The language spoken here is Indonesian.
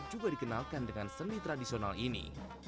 juga dikenalkan dengan seni tradisional ini